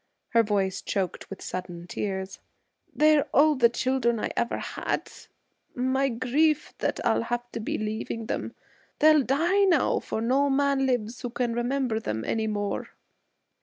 Her voice choked with sudden tears. 'They're all the children ever I had. My grief! that I'll have to be leaving them! They'll die now, for no man lives who can remember them any more.'